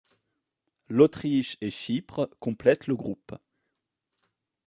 L'Autriche et Chypre complètent le groupe.